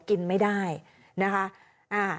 กินไม่ได้นะคะ